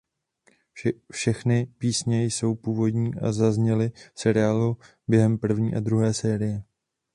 Všechny písně jsou původní a zazněly v seriálu během první a druhé série.